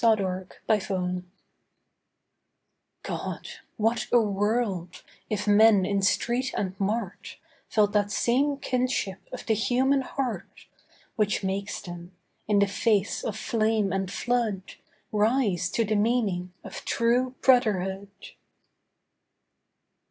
TRUE BROTHERHOOD God, what a world, if men in street and mart Felt that same kinship of the human heart Which makes them, in the face of flame and flood, Rise to the meaning of true Brotherhood!